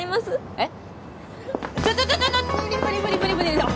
えっ？